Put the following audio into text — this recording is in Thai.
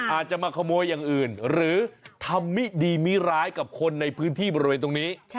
อาจจะมาขโมยอย่างอื่นหรือทำมิดีมิร้ายกับคนในพื้นที่บริเวณตรงนี้